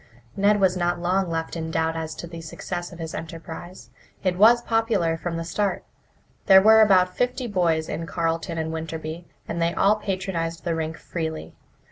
Ned was not long left in doubt as to the success of his enterprise. It was popular from the start. There were about fifty boys in Carleton and Winterby, and they all patronized the rink freely.